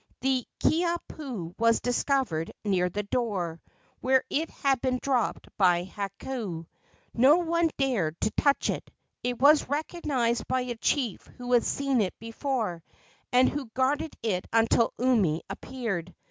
The Kiha pu was discovered near the door, where it had been dropped by Hakau. No one dared to touch it. It was recognized by a chief who had seen it before, and who guarded it until Umi appeared.